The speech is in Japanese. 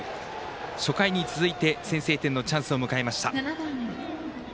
初回に続いて、先制点のチャンスを迎えました。